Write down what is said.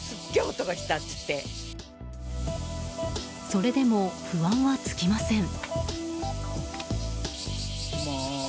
それでも不安は尽きません。